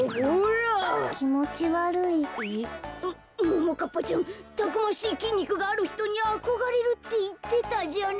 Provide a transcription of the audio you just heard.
もももかっぱちゃんたくましいきんにくがあるひとにあこがれるっていってたじゃない。